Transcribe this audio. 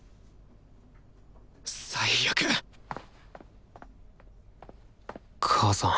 最悪母さん